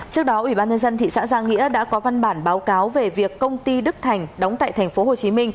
trước đó ubnd thị xã giang nghĩa đã có văn bản báo cáo về việc công ty đức thành đóng tại tp hcm